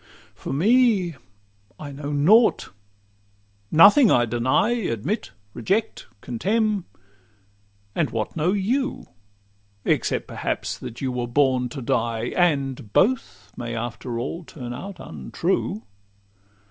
For me, I know nought; nothing I deny, Admit, reject, contemn; and what know you, Except perhaps that you were born to die? And both may after all turn out untrue.